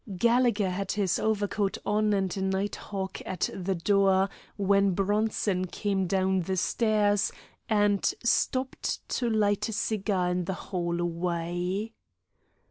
Gallegher had his overcoat on and a night hawk at the door when Bronson came down the stairs and stopped to light a cigar in the hallway.